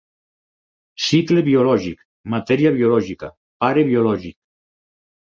Cicle biològic, matèria biològica, pare biològic.